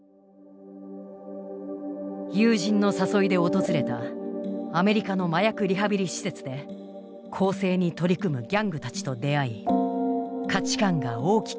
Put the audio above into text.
友人の誘いで訪れたアメリカの麻薬リハビリ施設で更生に取り組むギャングたちと出会い価値観が大きく揺らいだのだ。